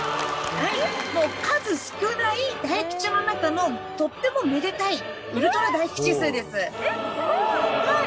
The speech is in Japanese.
はいもう数少ない大吉の中のとってもめでたいウルトラ大吉数ですえっ